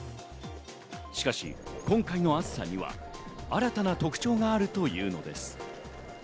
しかし、今回の暑さには新たな特徴があるというのです。